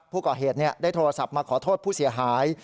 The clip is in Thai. ผู้ก่อเหตุได้โทรศัพท์มาขอโทษผู้เสียหาย